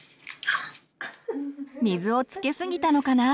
水をつけすぎたのかな。